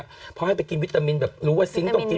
เพราะให้ไปกินวิตามินแบบรู้ว่าซิงค์ต้องกิน